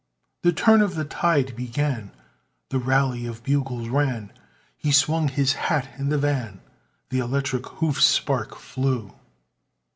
The turn of the tide began, The rally of bugles ran, He swung his hat in the van; The electric hoof spark flew.